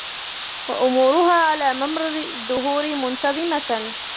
وَأُمُورُهَا عَلَى مَمَرِّ الدُّهُورِ مُنْتَظِمَةً